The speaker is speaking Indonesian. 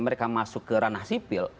mereka masuk ke ranah sipil